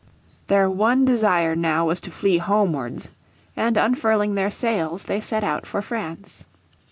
Their one desire now was to flee homewards, and unfurling their sails they set out for France.